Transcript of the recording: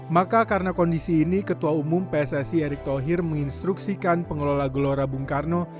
maka karena kondisi ini ketua umum pssi erick thohir menginstruksikan pengelola gelora bung karno